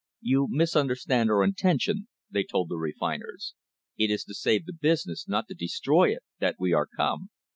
"You misunderstand our intention," they told the refiners. "It is to save the business, not to destroy it, that we are come.